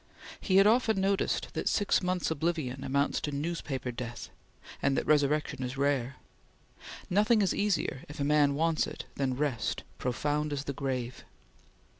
He had often noticed that six months' oblivion amounts to newspaper death, and that resurrection is rare. Nothing is easier, if a man wants it, than rest, profound as the grave.